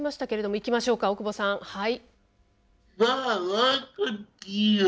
いきましょうか大久保さんはい。